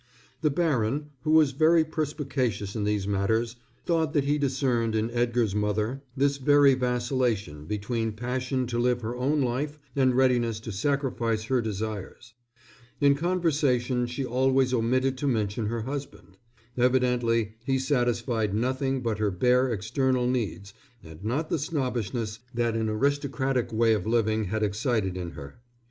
The baron, who was very perspicacious in these matters, thought that he discerned in Edgar's mother this very vacillation between passion to live her own life and readiness to sacrifice her desires. In conversation she always omitted to mention her husband. Evidently he satisfied nothing but her bare external needs and not the snobbishness that an aristocratic way of living had excited in her.